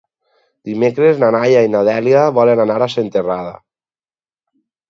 Dimecres na Laia i na Dèlia volen anar a Senterada.